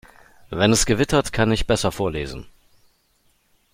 Wenn es gewittert, kann ich besser vorlesen.